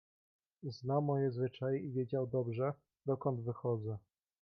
"Zna moje zwyczaje i wiedział dobrze, dokąd wychodzę."